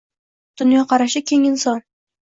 Dunyoqarashi keng inson